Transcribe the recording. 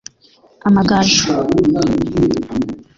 Amagaju